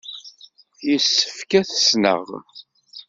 Yessefk ad t-ssneɣ?